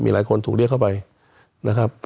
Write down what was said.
หลายคนถูกเรียกเข้าไปนะครับ